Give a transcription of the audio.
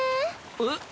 えっ？